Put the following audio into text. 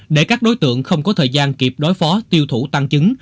để các đối tượng không có thời gian kịp đối phó tiêu thủ tăng chứng